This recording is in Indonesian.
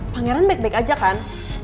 pangeran baik baik aja kan